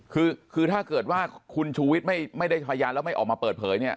คือคือถ้าเกิดว่าคุณชูวิทย์ไม่ได้พยานแล้วไม่ออกมาเปิดเผยเนี่ย